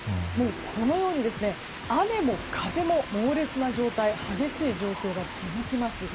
このように雨も風も猛烈な状態激しい状況が続きます。